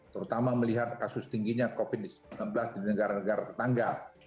terutama melihat kasus tingginya covid sembilan belas di negara negara tetangga